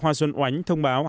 hoa xuân oánh thông báo